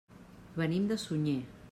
Venim de Sunyer.